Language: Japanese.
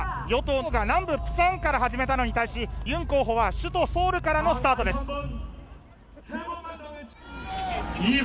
与党が南部釜山から始めたのに対しユン候補は首都ソウルからのスタートです。